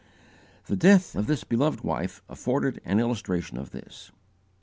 The death of this beloved wife afforded an illustration of this.